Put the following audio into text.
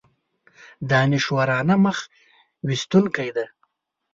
دانشورانه مخ ویستونکی دی.